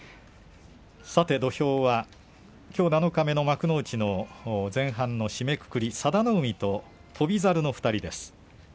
さて土俵は、きょう七日目幕内前半の締めくくり佐田の海と翔猿の２人です。